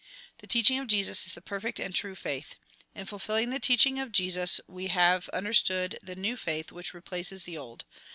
The teaching of Jesus is the perfect and true faith. In fulfdling the teaching of Jesus, we have understood the new faith which replaces the old.